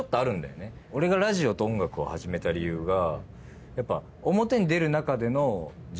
俺がラジオと音楽を始めた理由がやっぱ。